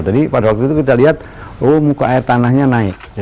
jadi pada waktu itu kita lihat oh muka air tanahnya naik